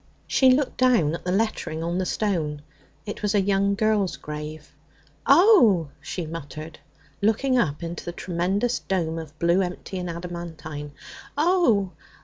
She looked down at the lettering on the stone. It was a young girl's grave. 'Oh!' she muttered, looking up into the tremendous dome of blue, empty and adamantine 'oh!